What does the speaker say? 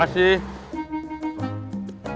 pada tempoh tahun sekarang